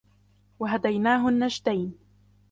وَهَدَيْنَاهُ النَّجْدَيْنِ